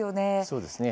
そうですね。